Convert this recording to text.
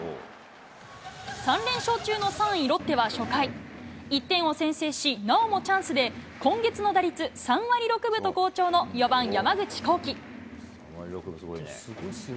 ３連勝中の３位ロッテは初回、１点を先制し、なおもチャンスで、今月の打率３割６分と好調の４番山口航輝。